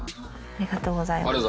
ありがとうございます。